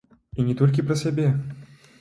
І не толькі пра сябе.